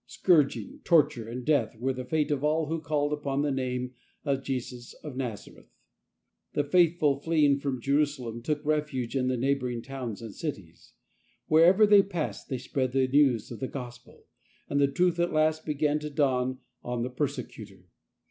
Scourging, torture, and death were the fate of all who called upon the name of J^us of Nazareth. The faithful, fleeing " WHY PERSECUTEST THOU ME ?" 17 from Jerusalem, took refuge in the neighbour ing towns and cities. Wherever they passed they spread the news of the Gospel, and the truth at last began to dawn on the persecutor.